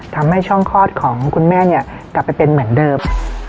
ทำให้ช่องคลอดของคุณแม่เนี่ยกลับไปเป็นเหมือนเดิม